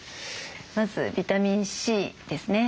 まずビタミンＣですね。